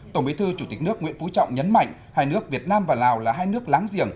tổng bí thư chủ tịch nước nguyễn phú trọng nhấn mạnh hai nước việt nam và lào là hai nước láng giềng